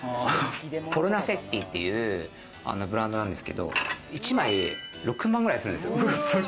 フォルナセッティっていうブランドなんですけど、１枚６万くらいするんですよ。